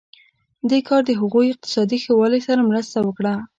دې کار د هغوی اقتصادي ښه والی سره مرسته وکړه.